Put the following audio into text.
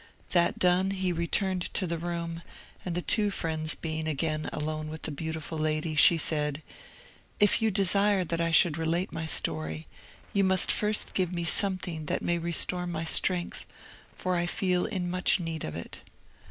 That done, he returned to the room; and the two friends being again alone with the beautiful lady, she said, "If you desire that I should relate my story, you must first give me something that may restore my strength, for I feel in much need of it."